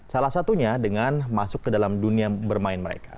salah satunya dengan masuk ke dalam dunia bermain mereka